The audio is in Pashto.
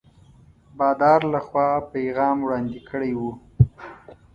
بادار له خوا پیغام وړاندي کړی وو.